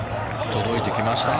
届いてきました。